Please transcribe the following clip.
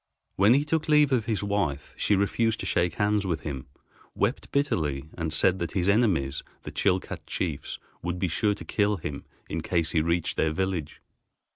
When he took leave of his wife, she refused to shake hands with him, wept bitterly, and said that his enemies, the Chilcat chiefs, would be sure to kill him in case he reached their village.